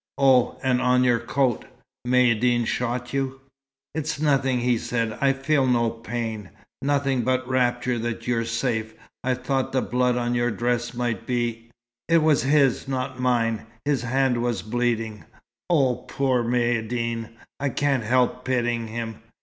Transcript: "Oh, and on your coat. Maïeddine shot you." "It's nothing," he said. "I feel no pain. Nothing but rapture that you're safe. I thought the blood on your dress might be " "It was his, not mine. His hands were bleeding. Oh, poor Maïeddine I can't help pitying him.